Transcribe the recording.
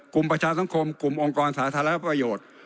ประชาสังคมกลุ่มองค์กรสาธารณประโยชน์